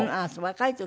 若い時。